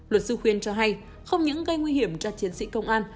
luật sư khuyên cho hay không những gây nguy hiểm cho chiến sĩ công an